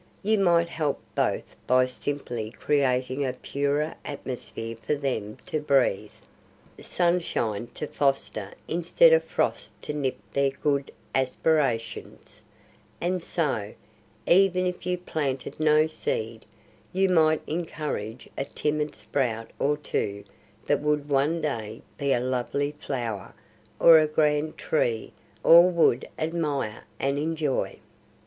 You might help both by simply creating a purer atmosphere for them to breathe, sunshine to foster instead of frost to nip their good aspirations, and so, even if you planted no seed, you might encourage a timid sprout or two that would one day be a lovely flower or a grand tree all would admire and enjoy."